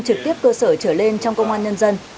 trực tiếp cơ sở trở lên trong công an nhân dân